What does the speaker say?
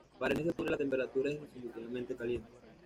Para el mes de octubre la temperatura es definitivamente caliente.